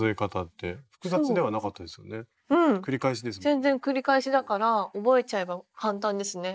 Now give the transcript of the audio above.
全然繰り返しだから覚えちゃえば簡単ですね。